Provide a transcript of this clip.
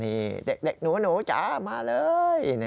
นี่เด็กหนูจ้ามาเลย